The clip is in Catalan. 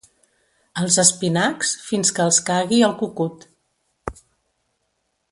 Els espinacs, fins que els cagui el cucut.